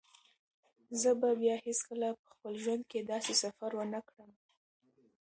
زه به بیا هیڅکله په خپل ژوند کې داسې سفر ونه کړم.